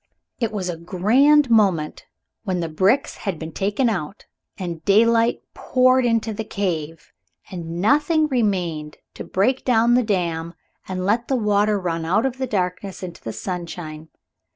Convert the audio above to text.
It was a grand moment when the bricks had been taken out and daylight poured into the cave, and nothing remained but to break down the dam and let the water run out of the darkness into the sunshine.